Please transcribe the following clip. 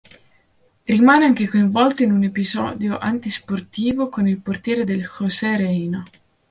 Rimane anche coinvolto in un episodio antisportivo con il portiere del José Reina.